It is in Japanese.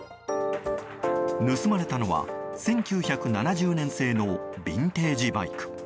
盗まれたのは１９７０年製のビンテージバイク。